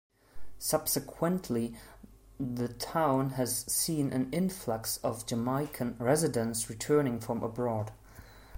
Subsequently, the town has seen an influx of Jamaican residents returning from abroad.